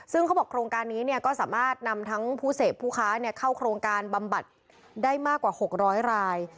ซึ่งเขาบอกโครงการนี้ก็สามารถนำทั้งผู้เสพผู้ค้าเข้าโครงการบำบัดได้มากกว่า๖๐๐ราย